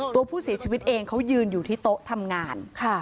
ตัวผู้เสียชีวิตเองเขายืนอยู่ที่โต๊ะทำงาน